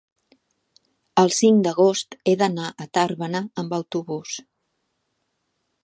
El cinc d'agost he d'anar a Tàrbena amb autobús.